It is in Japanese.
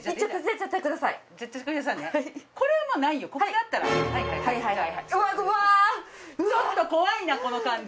ちょっと怖いなこの感じ。